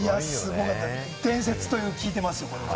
伝説と聞いています。